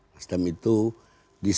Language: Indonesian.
nasdem itu di semua